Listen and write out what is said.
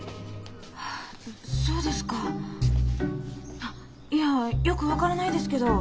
そうですかいやよく分からないですけど。